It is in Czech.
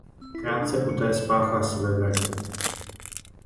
Krátce poté spáchá sebevraždu.